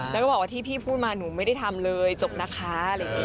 แล้วก็บอกว่าที่พี่พูดมาหนูไม่ได้ทำเลยจบนะคะอะไรอย่างนี้